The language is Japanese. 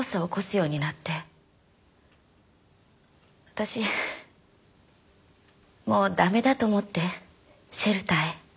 私もう駄目だと思ってシェルターへ。